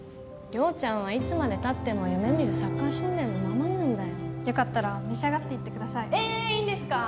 亮ちゃんはいつまでたっても夢見るサッカー少年のままなんだよよかったら召し上がっていってくださいえっいいんですか？